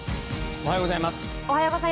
おはようございます。